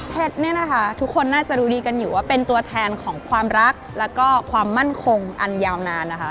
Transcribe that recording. เนี่ยนะคะทุกคนน่าจะรู้ดีกันอยู่ว่าเป็นตัวแทนของความรักแล้วก็ความมั่นคงอันยาวนานนะคะ